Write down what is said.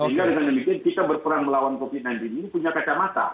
sehingga dengan demikian kita berperang melawan covid sembilan belas ini punya kacamata